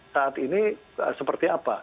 saat ini seperti apa